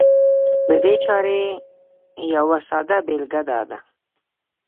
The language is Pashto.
د دې چارې يوه ساده بېلګه دا ده